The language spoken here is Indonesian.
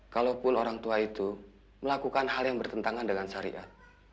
kalaupun orang tua itu melakukan hal yang bertentangan dengan syariat